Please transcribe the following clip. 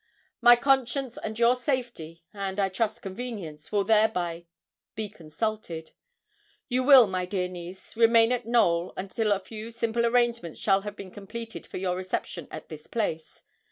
My conscience and your safety, and I trust convenience, will thereby be consulted. You will, my dear niece, remain at Knowl, until a few simple arrangements shall have been completed for your reception at this place.